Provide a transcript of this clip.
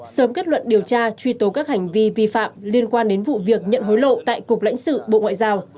sớm kết luận điều tra truy tố các hành vi vi phạm liên quan đến vụ việc nhận hối lộ tại cục lãnh sự bộ ngoại giao